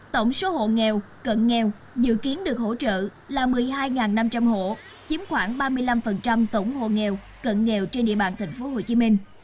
tổng số hộ nghèo cận nghèo dự kiến được hỗ trợ là một mươi hai năm trăm linh hộ chiếm khoảng ba mươi năm tổng hộ nghèo cận nghèo trên địa bàn tp hcm